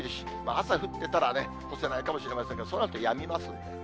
朝降ってたらね、干せないかもしれないですけれども、そのあとやみますんで。